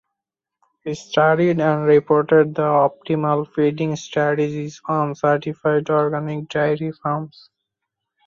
He studied and reported the optimal feeding strategies on certified organic dairy farms.